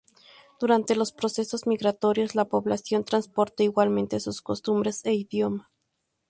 Durante los procesos migratorios, la población transporta igualmente sus costumbres e idioma.